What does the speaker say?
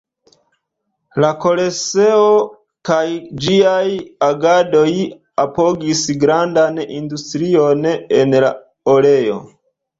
La Koloseo kaj ĝiaj agadoj apogis grandan industrion en la areo.